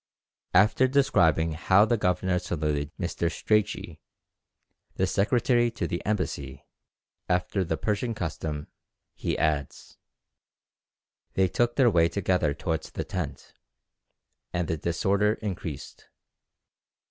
After describing how the governor saluted Mr. Strachey, the secretary to the embassy, after the Persian custom, he adds, "They took their way together towards the tent, and the disorder increased.